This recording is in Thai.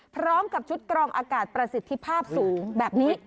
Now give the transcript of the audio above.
พร้อมกับชุดกรองอากาศประสิทธิภาพสูงแบบนี้